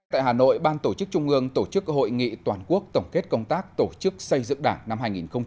tại hà nội ban tổ chức trung ương tổ chức hội nghị toàn quốc tổng kết công tác tổ chức xây dựng đảng năm hai nghìn một mươi chín